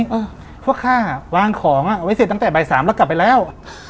เพราะว่าข้าวางของเอาไว้เสร็จตั้งแต่บ่าย๓แล้วกลับไปแล้ว